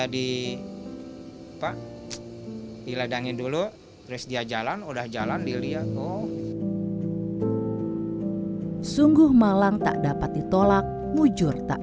di ladangnya dulu terus dia jalan udah jalan lili aku sungguh malang tak dapat ditolak wujud tak